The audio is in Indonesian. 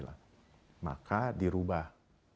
lah maka dirubah